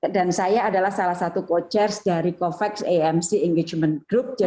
dan saya adalah salah satu co chairs dari covax amc engagement group